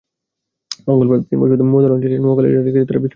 মঙ্গলবার দিনভর মধু আহরণ শেষে নৌকায় রাজাখালী খালে তাঁরা বিশ্রাম নিচ্ছিলেন।